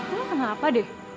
lu kenapa deh